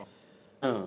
うん。